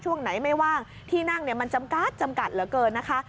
ช่วงไหนไม่ว่างที่นั่งเนี่ยมันจำกัดจำกัดเหลือเกินนะคะ